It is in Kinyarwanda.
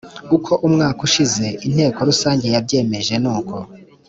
uko umwaka ushize inteko rusange yabyemeje nuko.